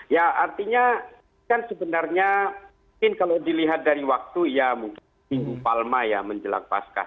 ya artinya kan sebenarnya mungkin kalau dilihat dari waktu ya mungkin minggu palma ya menjelang paskah